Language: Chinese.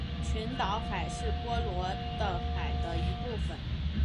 群岛海是波罗的海的一部份。